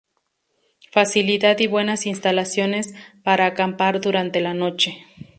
Facilidad y buenas instalaciones para acampar durante la noche.